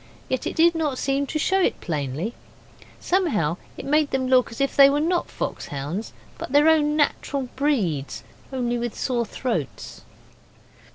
Yet it did not seem to show it plainly; somehow it made them look as if they were not fox hounds, but their own natural breeds only with sore throats.